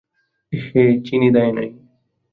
এহহে চিনি দেয়নাই।